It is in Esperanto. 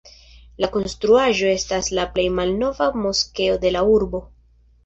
La konstruaĵo estas la plej malnova moskeo de la urbo.